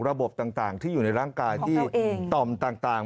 ระบบต่างที่อยู่ในร่างกายที่ต่อมต่าง